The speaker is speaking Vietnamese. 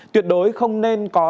tuyệt đối không nên có